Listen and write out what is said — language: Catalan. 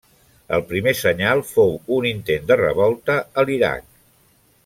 El primer senyal fou un intent de revolta a l'Iraq.